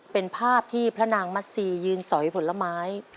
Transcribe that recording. เป็นภาพที่พระนางมัสซียืนสอยผลไม้